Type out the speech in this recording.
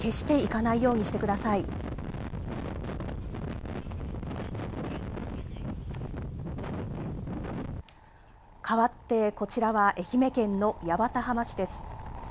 かわってこちらは愛媛県の八幡浜市です。